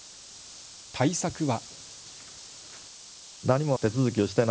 対策は。